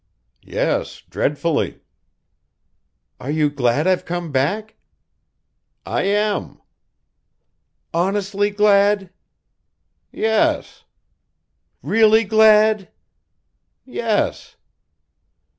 "Yes dreadfully." "Are you glad I've come back?" "I am." "Honestly glad?" "Yes." "Really glad?" "Yes."